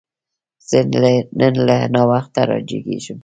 زه نن لږ ناوخته راجیګیږم